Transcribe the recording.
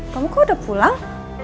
kamu kok udah pulang